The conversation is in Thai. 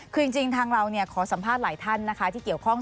คือจริงทางเราขอสัมภาษณ์หลายท่านนะคะที่เกี่ยวข้อง